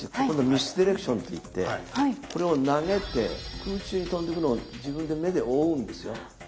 今度は「ミスディレクション」といってこれを投げて空中で飛んでくのを自分で目で追うんですよ。